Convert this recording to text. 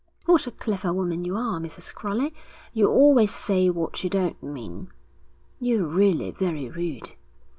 'What a clever woman you are, Mrs. Crowley. You always say what you don't mean.' 'You're really very rude.'